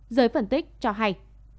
giới phân tích cho hay